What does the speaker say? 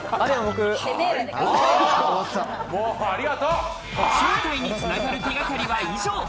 捜査につながる手掛かりは以上。